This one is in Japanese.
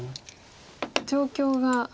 状況が。